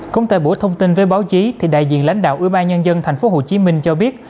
cũng tại buổi thông tin với báo chí thì đại diện lãnh đạo ủy ban nhân dân tp hcm cho biết